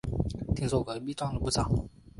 听说隔壁赚了不少